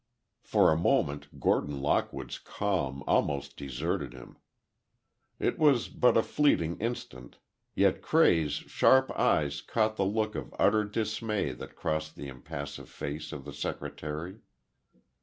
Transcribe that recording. For a moment Gordon Lockwood's calm almost deserted him. It was but a fleeting instant, yet Cray's sharp eyes caught the look of utter dismay that crossed the impassive face of the secretary.